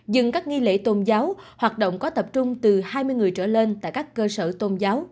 dừng các nghi lễ tôn giáo hoạt động có tập trung từ hai mươi người trở lên tại các cơ sở tôn giáo